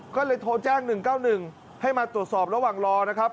ก็เลยโทรแจ้ง๑๙๑ให้มาตรวจสอบระหว่างรอนะครับ